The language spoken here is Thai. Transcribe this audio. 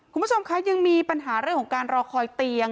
คุณผู้ชมคะยังมีปัญหาเรื่องของการรอคอยเตียง